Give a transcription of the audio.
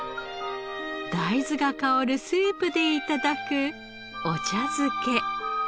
大豆が香るスープで頂くお茶漬け。